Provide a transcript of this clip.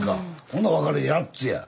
ほな分かる８つや。